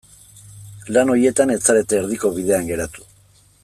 Lan horietan ez zarete erdiko bidean geratu.